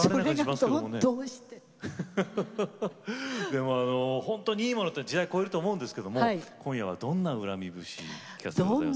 でもあのほんとにいいものって時代を超えると思うんですけども今夜はどんな「怨み節」聴かせてくださいますか？